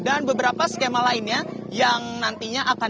dan beberapa skema lainnya yang nantinya akan dilaksanakan